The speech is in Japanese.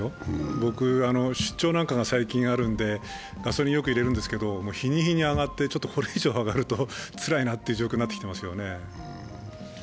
僕、出張なんかが最近あるのでガソリンをよく入れるんですけど、日に日に上がって、これ以上上がるとつらいなという状況になってきています。